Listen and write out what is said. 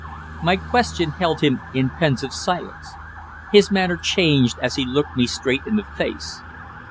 My question held him in pensive silence. His manner changed as he looked me straight in the face.